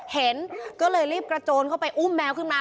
เห็นก็เลยรีบกระโจนเข้าไปอุ้มแมวขึ้นมา